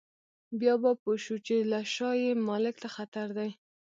بیا به چې پوه شو له شا یې مالک ته خطر دی.